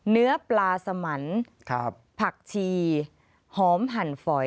เนื้อปลาสมันผักชีหอมหั่นฝอย